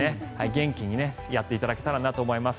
元気にやっていただけたらなと思います。